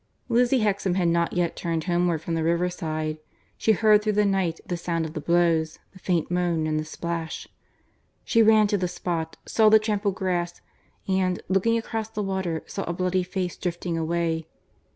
Lizzie Hexam had not yet turned homeward from the riverside. She heard through the night the sound of the blows, the faint moan and the splash. She ran to the spot, saw the trampled grass, and, looking across the water, saw a bloody face drifting away.